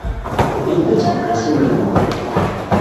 Linda ad teqbel assumer-nwen.